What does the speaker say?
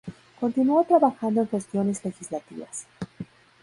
Continúo trabajando en cuestiones legislativas.